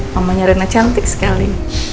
namanya reina cantik sekali